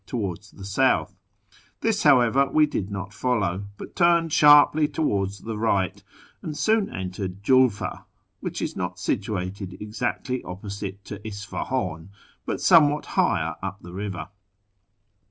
towards the south. This, however, we did not follow, but turned sharply towards the right, and soon entered Julfa, which is not situated exactly opposite to Isfahan, but somewhat higher up the river.